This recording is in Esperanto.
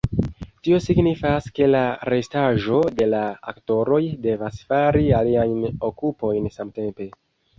Tio signifas ke la restaĵo de la aktoroj devas fari aliajn okupojn samtempe.